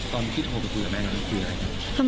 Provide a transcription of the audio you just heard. ตอนที่โทรไปคุยกับแม่หนูคุยอะไร